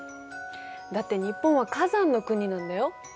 だって日本は火山の国なんだよ。